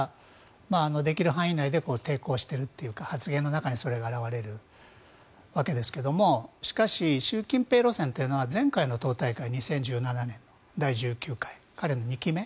できる範囲内で抵抗しているというか発言の中にそれが表れるわけですけどもしかし、習近平路線というのは前回の党大会２０１７年の第１９回彼の２期目。